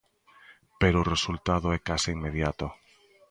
Pero o resultado é case inmediato.